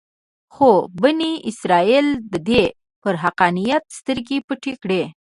خو بني اسرایلو دده پر حقانیت سترګې پټې کړې.